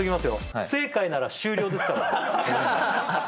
不正解なら終了ですからね